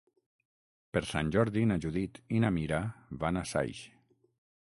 Per Sant Jordi na Judit i na Mira van a Saix.